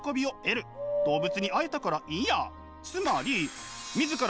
動物に会えたからいいや。